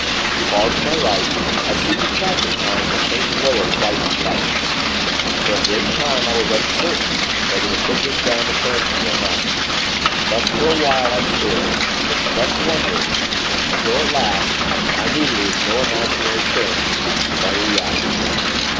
Afar to my right, I seemed to catch, at times, a faint glow of whitish light. For a great time, I was uncertain whether to put this down to fancy or not. Thus, for a while, I stared, with fresh wonderings; until, at last, I knew that it was no imaginary thing; but a reality.